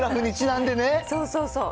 そうそうそう。